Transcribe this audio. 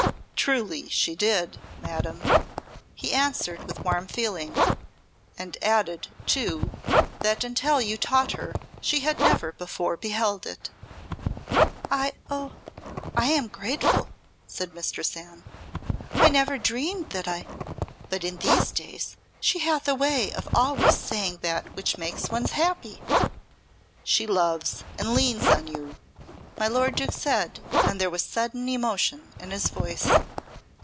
"Truly she did, madam," he answered with warm feeling, "and added, too, that until you taught her she had never before beheld it." "I oh, I am grateful!" said Mistress Anne. "I never dreamed that I But in these days, she hath a way of always saying that which makes one happy." "She loves and leans on you," my lord Duke said, and there was sudden emotion in his voice.